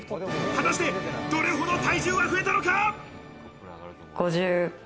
果たしてどれほど体重が増えたのか？